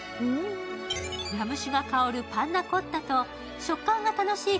ラム酒が香るパンナコッタと食感が楽しい